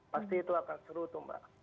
pasti itu akan seru tuh mbak